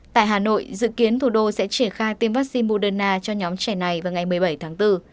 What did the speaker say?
tại hà nội dự kiến thủ đô sẽ triển khai tiêm vaccine moderna cho nhóm trẻ này vào ngày một mươi bảy tháng bốn